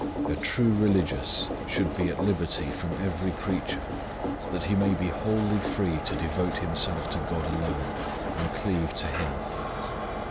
A true religious should be at liberty from every creature that he may be wholly free to devote him self to God alone and cleave to Him.